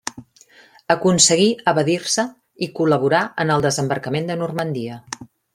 Aconseguí evadir-se i col·laborà en el desembarcament de Normandia.